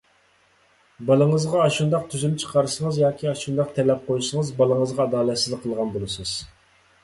بالىڭىزغا ئاشۇنداق تۈزۈم چىقارسىڭىز، ياكى ئاشۇنداق تەلەپ قويسىڭىز، بالىڭىزغا ئادالەتسىزلىك قىلغان بولىسىز.